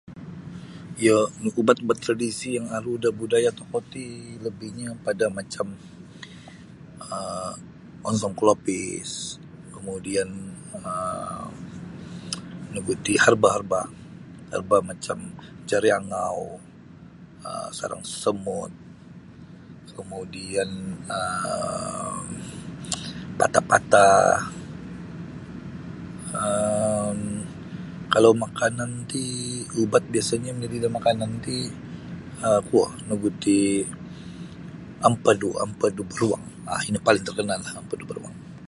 Iyo makaubat ubat tradisi yang aru da budaya tokou ti lebihnyo pada macam onsom kolopis kemudian um nu gu iti herba herba macam jariangau sarang semut kemudian um patah patah um kalau makanan ti ubat biasanyo majadi da makanan ti kuo nu gu ti empedu beruang ino paling terkenallah empedu beruang.